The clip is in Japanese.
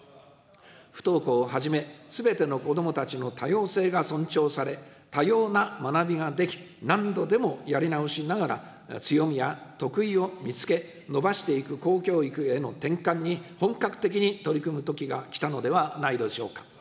不登校をはじめ、すべての子どもたちの多様性が尊重され、多様な学びができ、何度でもやり直しながら、強みや得意を見つけ、伸ばしていく公教育への転換に本格的に取り組むときが来たのではないでしょうか。